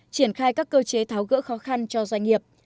triển khai các cơ chế tháo gỡ khó khăn cho doanh nghiệp